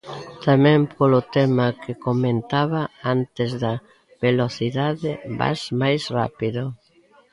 Tamén polo tema que comentaba antes da velocidade, vas máis rápido.